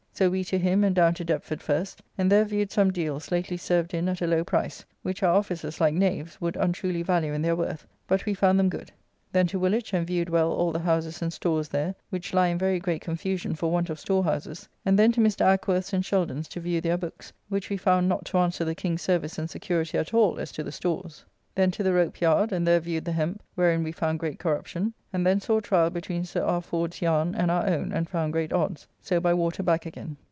So we to him, and down to Deptford first, and there viewed some deals lately served in at a low price, which our officers, like knaves, would untruly value in their worth, but we found them good. Then to Woolwich, and viewed well all the houses and stores there, which lie in very great confusion for want of storehouses, and then to Mr. Ackworth's and Sheldon's to view their books, which we found not to answer the King's service and security at all as to the stores. Then to the Ropeyard, and there viewed the hemp, wherein we found great corruption, and then saw a trial between Sir R. Ford's yarn and our own, and found great odds. So by water back again.